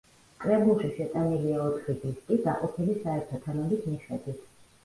კრებულში შეტანილია ოთხი დისკი, დაყოფილი საერთო თემების მიხედვით.